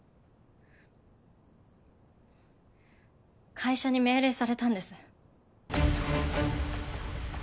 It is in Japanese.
会社に命令されたんです。